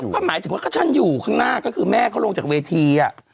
ก็หมายถึงว่าฉันอยู่ข้างหน้าก็คือแม่เขาลงจากเวที